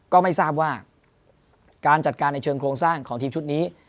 ก็ไม่ทราบว่าการจัดการในเชิงโครงสร้างของทีมชุดนี้